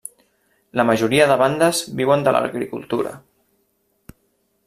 La majoria de bandes viuen de l'agricultura.